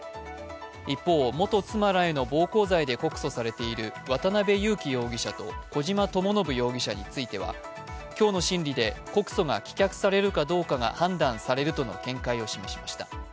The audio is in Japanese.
一方、元妻らへの暴行罪で告訴されている渡辺優樹容疑者と小島智信容疑者については今日の審理で告訴が棄却されるかどうかが判断されるとの見解を示しました。